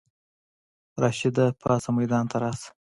راشده پاڅه ميدان ته راشه!